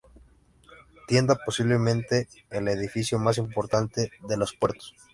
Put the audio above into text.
Tienda: posiblemente el edificio más importante de los puertos.